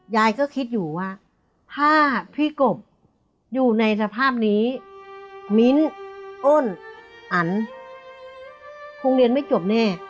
ยายก็คิดอยู่ว่าถ้าพี่กบอยู่ในสภาพนี้มิ้นอ้นอันคงเรียนไม่จบแน่